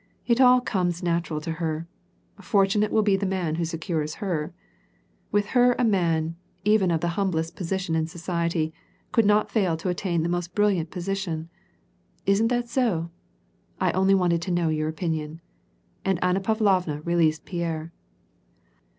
It all comes natural to h(»r. Fortu naie will be the man who secures her 1 With her a man, even of the humblest position in society, could not fail to attain the most brilliant position. Isn't that so ? I only wanted to know your opinion." And Anna Pavlovna released Pierre.